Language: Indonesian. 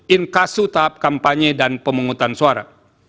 inkasu tahap kampanye dan pemungutan suara